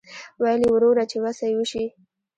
ویل یې وروره چې وسه یې وشي.